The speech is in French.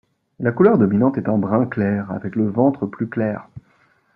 La couleur dominante est un brun clair, avec le ventre plus clair.